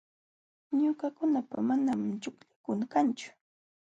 Ñuqakunapa manam chuqllakuna kanchu.